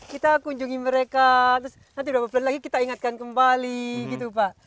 kita kunjungi mereka terus nanti beberapa bulan lagi kita ingatkan kembali gitu pak